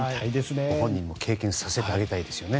ご本人にも経験させてあげたいですよね。